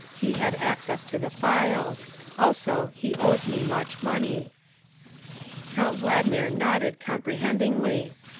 He had access to the files; also he owes me much money. '' Count Valdmir nodded comprehendingly.